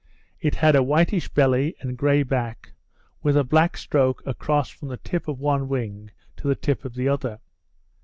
It has a whitish belly, and grey back, with a black stroke across from the tip of one wing to the tip of the other.